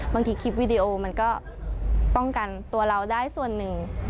บางทีคลิปวิดีโอมันก็ป้องกันตัวเราได้ส่วนหนึ่ง